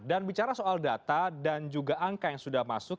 dan bicara soal data dan juga angka yang sudah masuk